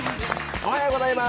おはようございます。